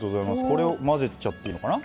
これを混ぜちゃっていいのかな。